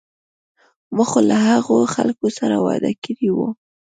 ما خو له هغو خلکو سره وعده کړې وه.